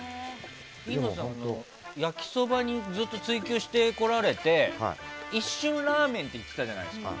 飯野さん、焼きそばをずっと追求してこられて一瞬ラーメンって言ってたじゃないですか。